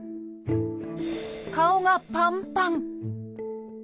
顔がパンパン！